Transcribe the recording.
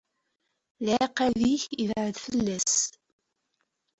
Lɛiqab-ik ibɛed fell-as.